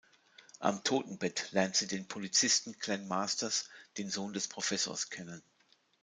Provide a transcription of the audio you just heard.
Am Totenbett lernt sie den Polizisten Glenn Masters, den Sohn des Professors kennen.